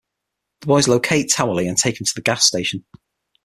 The boys locate Towelie and take him to the gas station.